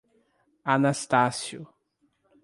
Anastácio